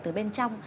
từ bên trong